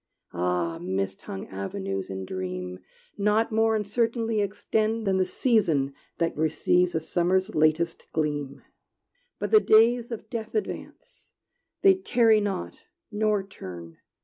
Ah, mist hung avenues in dream Not more uncertainly extend Than the season that receives A summer's latest gleam! But the days of death advance: They tarry not, nor turn!